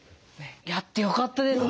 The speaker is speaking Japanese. やってよかったですね。